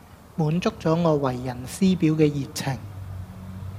滿足咗我為人師表嘅熱情